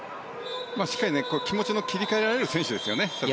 気持ちの切り替えられる選手ですよね。